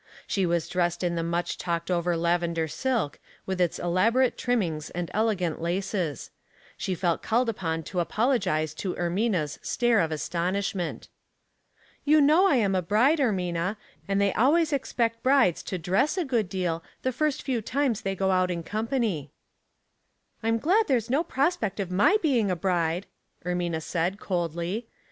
She was dressed in the much talked 15 226 Household Puzzles, over lavender silk, with its elaborate trimmings and elegant laces. She felt called upon to apologize to Ermiua's stare of astonishment. '" You know I am a bride, Ermina, and they always expect brides to dress a good deal the first few times they go oat in company." " I'm glad there's no prospect of my being a bride," Ermina said, coldly.